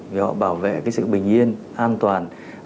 vì họ bảo vệ sự bình yên an toàn